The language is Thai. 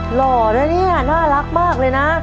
หล่อนะเนี่ยน่ารักมากเลยนะ